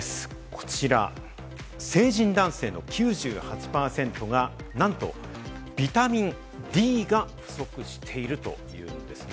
こちら、成人男性の９８％がなんと、ビタミンＤが不足しているというんですね。